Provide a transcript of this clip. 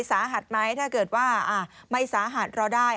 สาหัสไหมถ้าเกิดว่าไม่สาหัสรอได้